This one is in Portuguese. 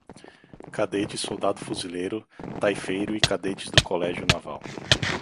Cadete, Soldado Fuzileiro, Taifeiro e cadetes do Colégio Naval